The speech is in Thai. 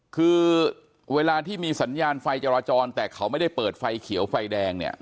คือเวลาที่มีสัญญาณไฟจราจรแต่เขาไม่ได้เปิดไฟเขียวไฟแดงเนี่ย